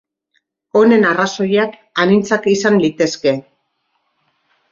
Honen arrazoiak anitzak izan litezke.